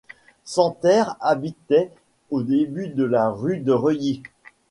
Santerre habitait au début de la rue de Reuilly.